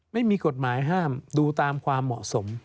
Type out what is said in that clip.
ไม่มีกฎหมายห้ามดูตามความเหมาะสม